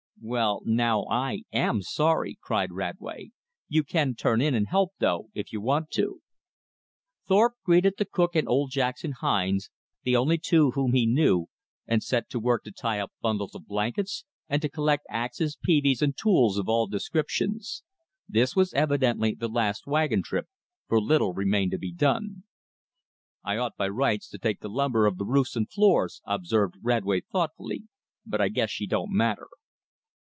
"Well now I AM sorry!" cried Radway, "you can turn in and help though, if you want to." Thorpe greeted the cook and old Jackson Hines, the only two whom he knew, and set to work to tie up bundles of blankets, and to collect axes, peavies, and tools of all descriptions. This was evidently the last wagon trip, for little remained to be done. "I ought by rights to take the lumber of the roofs and floors," observed Radway thoughtfully, "but I guess she don't matter."